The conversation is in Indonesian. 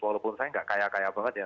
walaupun saya gak kaya kaya banget ya